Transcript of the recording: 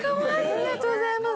ありがとうございます。